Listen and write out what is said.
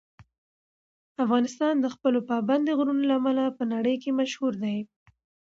افغانستان د خپلو پابندي غرونو له امله په نړۍ کې مشهور دی.